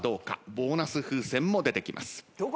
ボーナス風船も出てきます。